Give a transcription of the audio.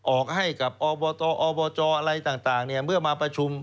ออกให้กับอบตอบจอะไรต่างเมื่อมาประชุม